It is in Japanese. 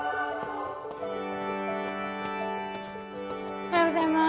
おはようございます。